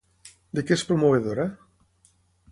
De què és promovedora?